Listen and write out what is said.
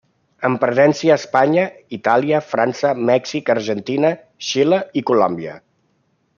Amb presència a Espanya, Itàlia, França, Mèxic, Argentina, Xile i Colòmbia.